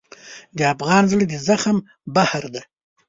د افغان زړه د زغم بحر دی.